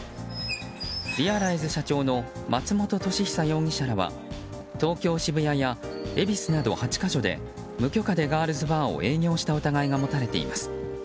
Ｒｅａｌｉｚｅ社長の松本利久容疑者らは東京・渋谷や恵比寿など８か所で無許可でガールズバーを営業した疑いが持たれています。